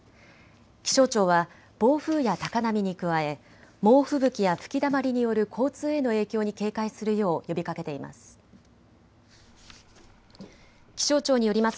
気象庁は暴風や高波に加え猛吹雪や吹きだまりによる交通への影響に警戒するよう呼びかけています。